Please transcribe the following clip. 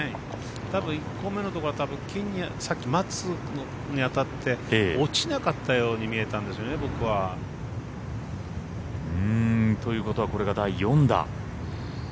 たぶん１個目のところはさっき松に当たって落ちなかったように見えたんですよね、僕は。ということは、これが第４打。